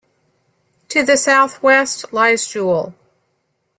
To the southwest lies Joule.